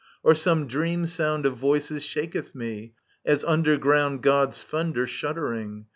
Or some dream sound Of voices shaketh me, as underground God's thunder shuddering